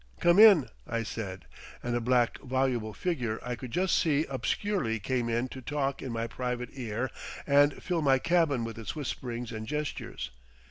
"Come in," I said, and a black voluble figure I could just see obscurely came in to talk in my private ear and fill my cabin with its whisperings and gestures.